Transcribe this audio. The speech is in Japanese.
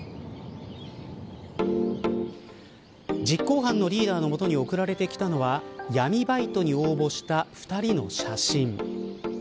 実行犯のリーダーの元に送られてきたのは闇バイトに応募した２人の写真。